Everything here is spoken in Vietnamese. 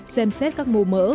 xem xét các mô mỡ